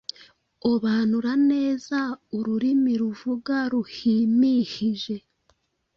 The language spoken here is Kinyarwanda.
obanura neza ururimi ruvuga, ruhimihije